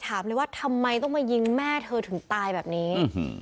ถามเลยว่าทำไมต้องมายิงแม่เธอถึงตายแบบนี้